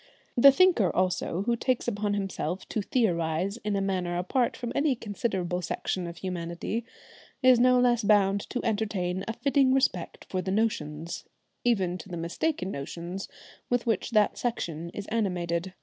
The thinker also who takes upon himself to theorise in a manner apart from any considerable section of humanity, is no less bound to entertain a fitting respect for the notions, even to the mistaken notions, with which that section is animated.